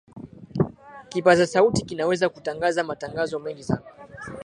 kipaza sauti kinaweza kutangaza matangazo mengi sana